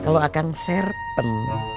kalau akang serpen